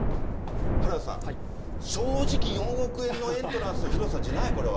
原田さん、正直４億円のエントランスの広さじゃない、これは。